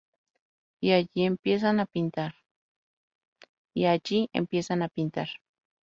Y allí empiezan a pintar.